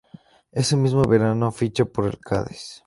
Ese mismo verano ficha por el Cádiz.